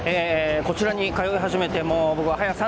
こちらに通い始めてもう僕は早３０年。